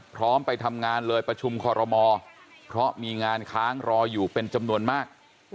ไปทำงานเลยประชุมคอรมอเพราะมีงานค้างรออยู่เป็นจำนวนมาก